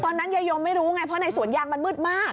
ยายยมไม่รู้ไงเพราะในสวนยางมันมืดมาก